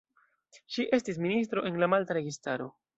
Ŝi estis ministro en la malta registaro.